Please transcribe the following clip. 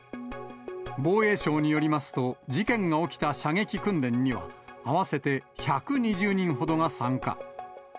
防衛省によりますと、事件が起きた射撃訓練には、合わせて１２０人ほどが参加。